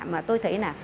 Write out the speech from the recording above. mà tôi thấy là